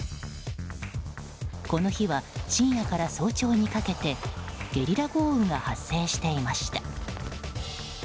この日は、深夜から早朝にかけてゲリラ豪雨が発生していました。